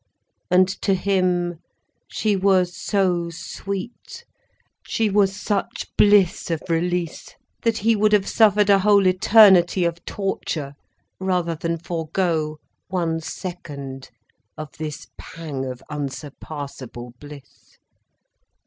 And to him, she was so sweet, she was such bliss of release, that he would have suffered a whole eternity of torture rather than forego one second of this pang of unsurpassable bliss.